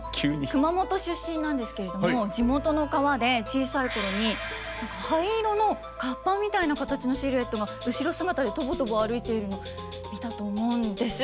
熊本出身なんですけれども地元の川で小さい頃に灰色のカッパみたいな形のシルエットが後ろ姿でとぼとぼ歩いているの見たと思うんです。